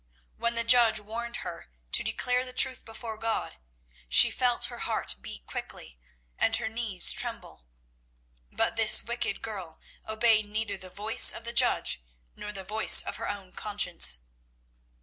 When the judge warned her to declare the truth before God, she felt her heart beat quickly and her knees tremble; but this wicked girl obeyed neither the voice of the judge nor the voice of her own conscience.